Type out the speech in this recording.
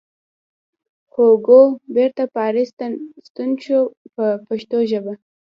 هوګو بېرته پاریس ته ستون شو په پښتو ژبه.